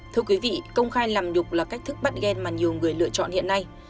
thưa quý vị công khai làm đục là cách thức bắt ghen mà nhiều người lựa chọn hiện nay